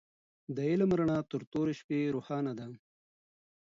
د علم رڼا تر تورې شپې روښانه ده.